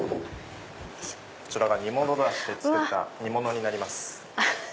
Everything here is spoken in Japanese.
こちらが煮物だしで作った煮物になります。